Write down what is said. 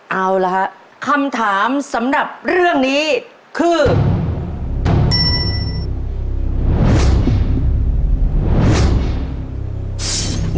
เอาละครับคำถามสำหรับเรื่องนี้คือ